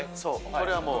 これはもう。